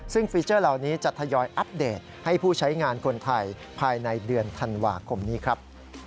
ซึ่งฟีเจอร์เหล่านี้จะทยอยอัปเดตให้ผู้ใช้งานคนไทยภายในเดือนธันวาคมนี้ครับ